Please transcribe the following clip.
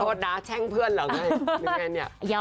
โทษนะแช่งเพื่อนเหรอไงเป็นไงเนี่ย